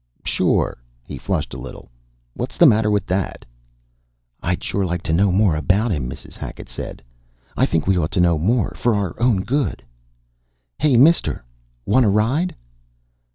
"Sure." He flushed a little. "What's the matter with that?" "I'd sure like to know more about him," Mrs. Hacket said. "I think we ought to know more, for our own good." "Hey, mister! Want a ride?"